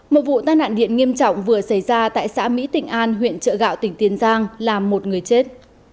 một vụ tai nạn điện nghiêm trọng vừa xảy ra tại xã mỹ tỉnh an huyện trợ gạo tỉnh tiền giang làm một người chết